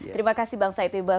terima kasih bang said iqbal